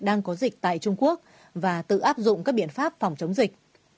đang có dịch tại trung quốc và tự áp dụng các biện pháp phòng chống dịch